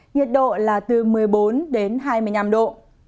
nhiệt độ là từ một mươi bốn đến hai mươi năm độ